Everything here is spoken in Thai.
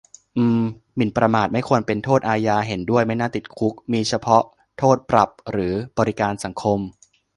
อืม หมิ่นประมาทไม่ควรเป็นโทษอาญา เห็นด้วย ไม่น่าติดคุก มีเฉพาะโทษปรับหรือบริการสังคม